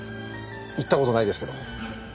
行った事ないですけど。